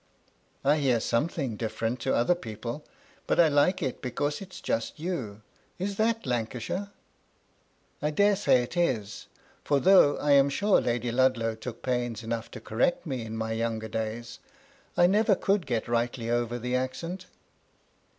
^^I hear something different to other people, but I like it because it is just you ; is that Lancashire T' I dare say it is; for, though I am sure Lady Ludlow took pains enough to correct me in my younger days, I never could get rightly over the accent."